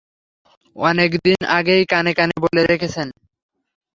অনেকদিন আগেই কানে কানে বলে রেখেছেন।